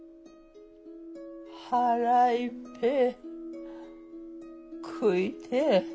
腹いっぺえ食いてえ。